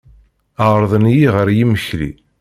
Ɛerḍen-iyi ɣer yimekli.